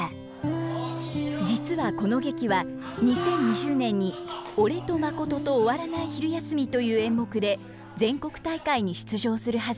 実はこの劇は２０２０年に「俺とマコトと終わらない昼休み」という演目で全国大会に出場するはずでした。